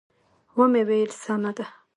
و مې ویل: سمه ده.